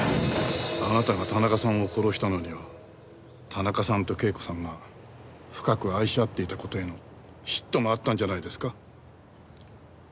あなたが田中さんを殺したのには田中さんと啓子さんが深く愛し合っていた事への嫉妬もあったんじゃないですか？